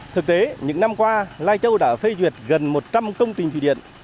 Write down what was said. thực tế những năm qua lai châu đã phê duyệt gần một trăm linh công trình thủy điện